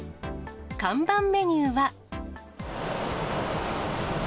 看板メニューは。